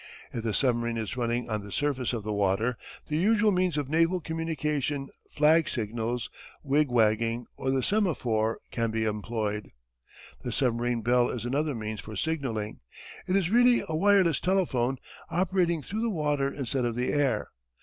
If the submarine is running on the surface of the water the usual means of naval communication flag signals, wig wagging or the semaphore, can be employed. The submarine bell is another means for signalling. It is really a wireless telephone, operating through the water instead of the air.